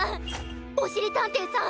おしりたんていさん